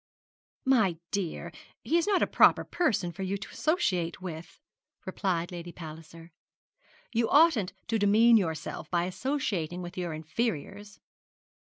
'My dear, he is not a proper person for you to associate with,' replied Lady Palliser. 'You oughtn't to bemean yourself by associating with your inferiors.'